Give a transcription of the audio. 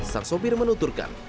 sang sopir menuturkan